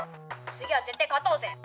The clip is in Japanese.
次は絶対勝とうぜ」。